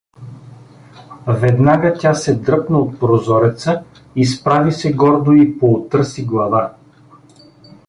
Веднага тя се дръпна от прозореца, изправи се гордо и поотърси глава.